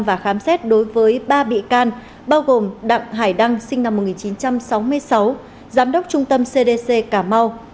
và khám xét đối với ba bị can bao gồm đặng hải đăng sinh năm một nghìn chín trăm sáu mươi sáu giám đốc trung tâm cdc cảm mau